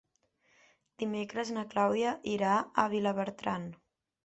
Dimecres na Clàudia irà a Vilabertran.